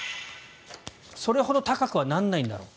それほど高くはならないだろうと。